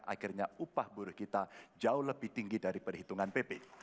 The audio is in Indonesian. akhirnya upah buruh kita jauh lebih tinggi dari perhitungan pp